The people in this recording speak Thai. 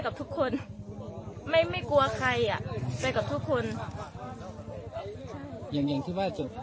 ลงกะลังจะเป็นไปได้ไหม